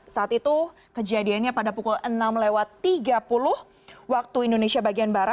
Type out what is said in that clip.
saat itu kejadiannya pada pukul enam tiga puluh wib